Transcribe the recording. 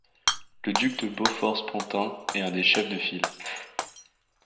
Le duc de Beaufort-Spontin est un des chefs de file.